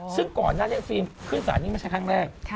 ซึ่งก่อนหน้านี้ฟิล์มขึ้นสารนี่ไม่ใช่ครั้งแรก